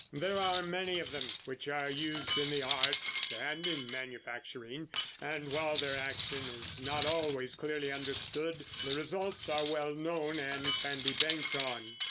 There are a great many of them which are used in the arts and in manufacturing, and while their action is not always clearly understood, the results are well known and can be banked on.